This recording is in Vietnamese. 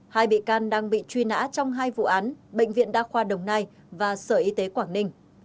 hai bị can đang bị truy nã trong hai vụ án bệnh viện đa khoa đồng nai và sở y tế quảng ninh